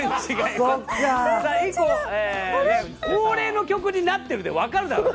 「以降恒例の曲になってる」でわかるだろそれは。